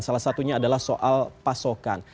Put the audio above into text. salah satunya adalah soal pasokan